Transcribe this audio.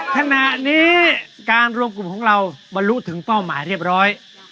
ขณะนี้การรวมกลุ่มของเราบรรลุถึงเป้าหมายเรียบร้อย